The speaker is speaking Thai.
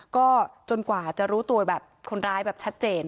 ก็จนกว่าจะรู้ตัวแบบคนร้ายแบบชัดเจน